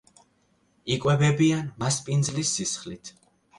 იკვებებიან მასპინძლის სისხლით.